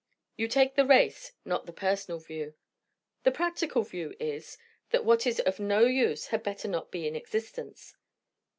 You take the race, not the personal view. The practical view is, that what is of no use had better not be in existence.